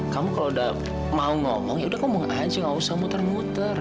kamu kalau udah mau ngomong yaudah kamu aja gak usah muter muter